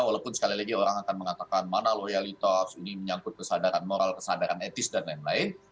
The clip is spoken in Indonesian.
walaupun sekali lagi orang akan mengatakan mana loyalitas ini menyangkut kesadaran moral kesadaran etis dan lain lain